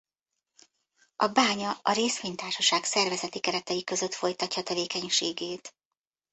A bánya a részvénytársaság szervezeti keretei között folytatja tevékenységét.